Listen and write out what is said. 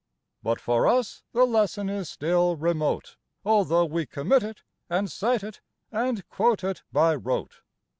But for us the lesson is still remote, Although we commit it and cite it and quote It by rote.